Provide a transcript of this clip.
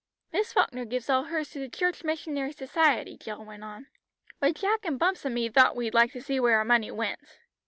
"Miss Falkner gives all hers to the Church Missionary Society," Jill went on; "but Jack and Bumps and me thought we'd like to see where our money went."